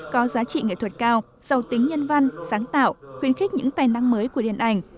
có giá trị nghệ thuật cao giàu tính nhân văn sáng tạo khuyến khích những tài năng mới của điện ảnh